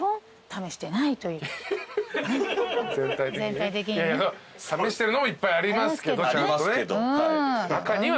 試してるのもいっぱいありますけどちゃんとね。